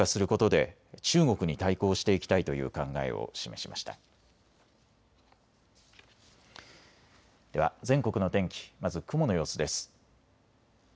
では全国の天気、まず雲の様子です。